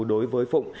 đối với phụng